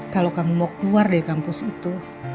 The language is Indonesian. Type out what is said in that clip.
kalau kamu mau keluar dari kampus itu